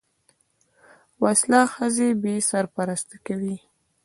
وسله ښځې بې سرپرسته کوي